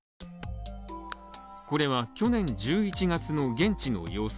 これは、去年１１月の現地の様子。